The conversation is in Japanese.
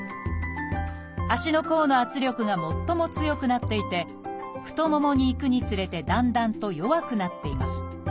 足の甲の圧力が最も強くなっていて太ももに行くにつれてだんだんと弱くなっています。